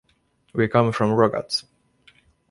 We come from Rugat.